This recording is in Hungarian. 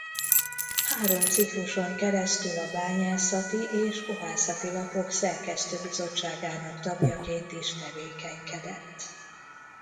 Három cikluson keresztül a Bányászati és Kohászati Lapok szerkesztőbizottságának tagjaként is tevékenykedett.